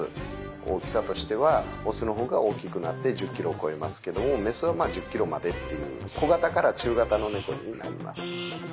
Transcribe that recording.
大きさとしてはオスの方が大きくなって１０キロを超えますけどもメスはまあ１０キロまでっていう小型から中型のネコになります。